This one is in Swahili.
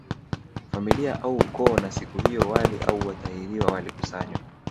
Familia au ukoo na siku hiyo wali au watahiriwa walikusanywa